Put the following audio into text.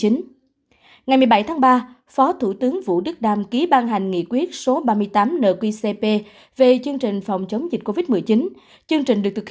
ngày một mươi bảy tháng ba phó thủ tướng vũ đức đam ký ban hành nghị quyết số ba mươi tám nqcp về chương trình phòng chống dịch covid một mươi chín